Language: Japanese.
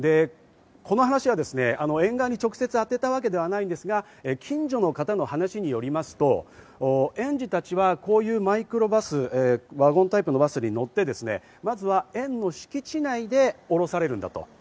この話は園側に直接あてたわけではないですが、近所の方の話によりますと園児たちはこういうマイクロバス、ワゴンタイプのバスに乗って、まずは園の敷地内で降ろされるんだと。